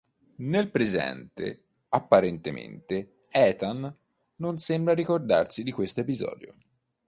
Nel presente, apparentemente, Ethan non sembra ricordarsi di questo episodio.